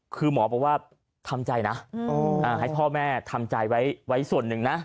คือหมอบอกว่าทำใจนะให้พ่อแม่ทำใจไว้ส่วนหนึ่งนะ